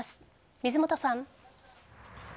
水本さん。